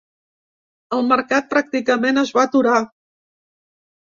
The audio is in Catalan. El mercat pràcticament es va aturar.